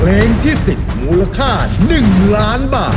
เพลงที่๑๐มูลค่า๑ล้านบาท